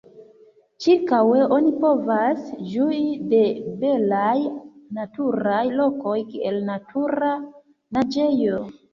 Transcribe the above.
Ĉirkaŭe oni povas ĝui de belaj naturaj lokoj, kiel natura naĝejo.